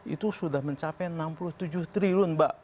itu sudah mencapai enam puluh tujuh triliun mbak